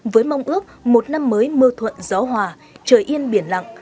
với mong ước một năm mới mưa thuận gió hòa trời yên biển lặng